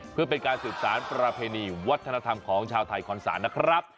เพื่อเป็นการสืบสารประเพณีวัฒนธรรมของชาวไทยคอนศาลนะครับ